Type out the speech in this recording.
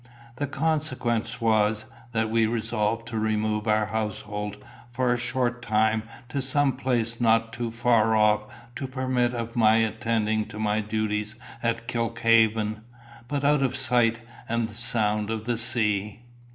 The consequence was, that we resolved to remove our household, for a short time, to some place not too far off to permit of my attending to my duties at Kilkhaven, but out of the sight and sound of the sea.